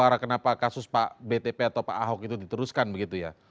aneh bin ajaib sudah bersuara kenapa kasus pak btp atau pak ahok itu diteruskan begitu ya